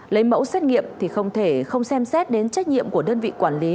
lấy mẫu xét nghiệm thì không thể không xem xét đến trách nhiệm của đơn vị quản lý